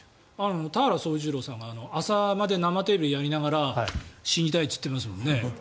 田原総一朗さんが「朝まで生テレビ！」をやりながら死にたいって言ってますよね。